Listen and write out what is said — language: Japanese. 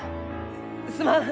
すまん！